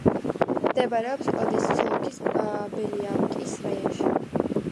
მდებარეობს ოდესის ოლქის ბელიაევკის რაიონში.